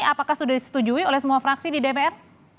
apakah sudah disetujui oleh semua fraksi di dpr